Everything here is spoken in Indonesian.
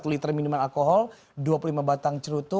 satu liter minuman alkohol dua puluh lima batang cerutu